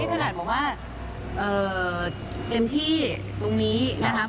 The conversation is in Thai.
นี่ขนาดว่าเต็มที่ตรงนี้ครับ